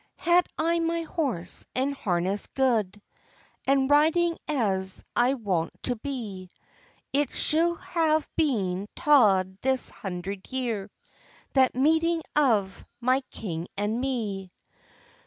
"Had I my horse and harness gude, And riding as I wont to be, It shou'd have been tauld this hundred year, The meeting of my king and me!